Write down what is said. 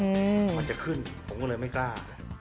มันจะขึ้นผมก็เลยไม่กล้า